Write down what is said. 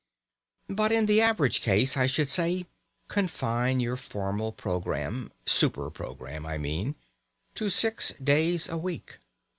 But in the average case I should say: Confine your formal programme (super programme, I mean) to six days a week.